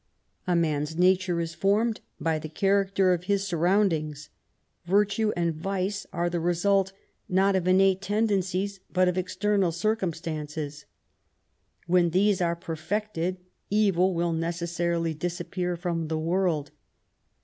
A man's nature is formed by the character of his surroundings. Virtue and vice are the result not of innate tendencies, but of external circumstances. When these are perfected, evil will necessarily disappear from the world.